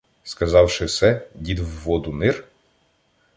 Сказавши се, дід в воду нир.